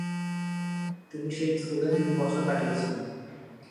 তিনি সেই স্কুলে তিন বছর কাটিয়েছেন।